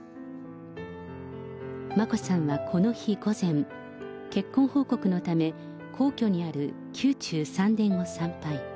眞子さんはこの日午前、結婚報告のため、皇居にある宮中三殿を参拝。